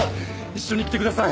一緒に来てください。